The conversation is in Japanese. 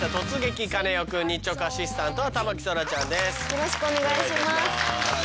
よろしくお願いします。